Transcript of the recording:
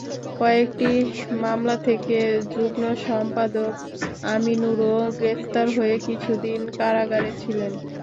কয়েকটি মামলা থাকা যুগ্ম সম্পাদক আমিনুরও গ্রেপ্তার হয়ে কিছুদিন কারাগারে ছিলেন।